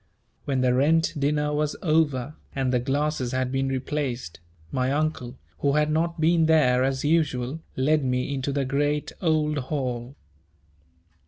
When the rent dinner was over, and the glasses had been replaced, my Uncle, who had not been there as usual, led me into the great old hall.